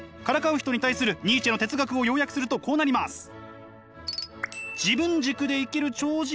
からかう人に対するニーチェの哲学を要約するとこうなります。